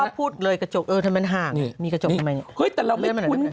ชอบพูดเลยกระจกเออทำไมมันห่างมีกระจกทำไมเนี่ย